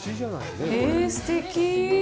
えぇ、すてき！